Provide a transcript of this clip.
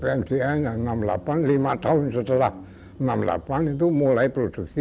pmdn yang seribu sembilan ratus enam puluh delapan lima tahun setelah seribu sembilan ratus enam puluh delapan itu mulai produksi